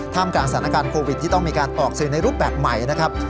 กลางสถานการณ์โควิดที่ต้องมีการออกสื่อในรูปแบบใหม่นะครับ